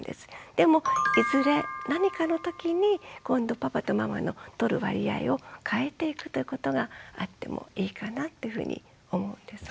でもいずれ何かのときに今度パパとママの取る割合を変えていくということがあってもいいかなっていうふうに思うんですね。